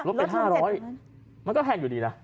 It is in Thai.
ลดไป๕๐๐บาทมันก็แพงอยู่ดีล่ะ